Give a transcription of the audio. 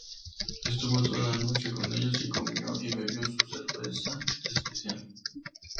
Estuvo toda la noche con ellos y comió y bebió su cerveza especial.